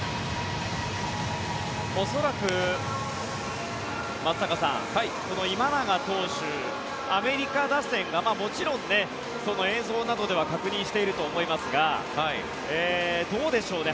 恐らく松坂さん、この今永投手アメリカ打線がもちろん、映像などでは確認していると思いますがどうでしょうね。